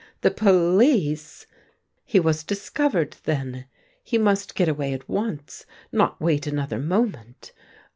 The police ! He was discovered, then. He must get away at once, not wait another moment.